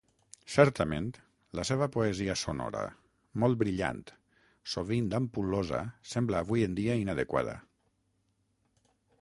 Certament, la seva poesia sonora, molt brillant, sovint ampul·losa, sembla avui en dia inadequada.